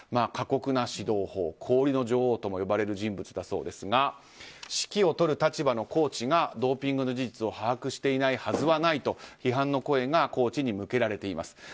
過酷な指導法から氷の女王とも呼ばれる人物だということですが指揮を執る立場のコーチがドーピングの事実を把握しているはずがないと批判の声がコーチに向けられています。